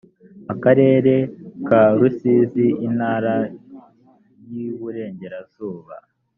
akarere ka rusizi intara y iburengerazuba